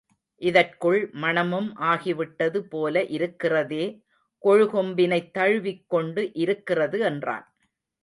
இதற்குள் மணமும் ஆகிவிட்டது போல இருக்கிறதே கொழு கொம்பினைத் தழுவிக் கொண்டு இருக்கிறது என்றான்.